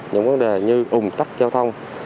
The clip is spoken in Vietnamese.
những vấn đề như ủng tắc giao thông